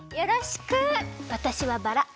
わたしはバラ。